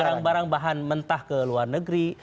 barang barang bahan mentah ke luar negeri